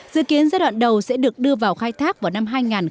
dự kiến giai đoạn đầu sẽ được đưa vào khai thác vào năm hai nghìn ba mươi hai